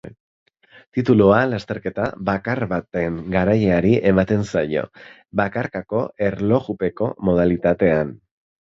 Titulua lasterketa bakar baten garaileari ematen zaio, bakarkako erlojupeko modalitatean.